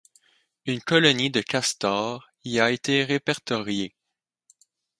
Une colonie de castors y a été répertoriée.